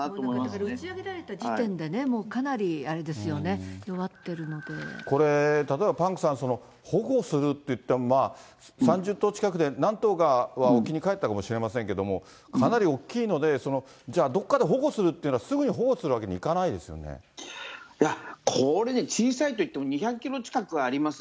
だから打ち上げられた時点でね、もうかなりあれですよね、弱これ、例えばパンクさん、保護するっていっても、３０頭近くで、何頭かは沖に帰ったかもしれませんが、かなり大きいので、じゃあ、どっかで保護するっていうのは、すぐに保護するわけにいかないでこれね、小さいといっても、２００キロ近くあります。